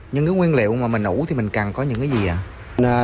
những nguyên liệu mà mình ủ thì mình cần có những cái gì ạ